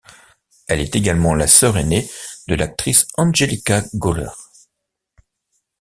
Elle est également la sœur aînée de l'actrice Angelika Göhler.